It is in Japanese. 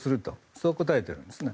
そう答えているんですね。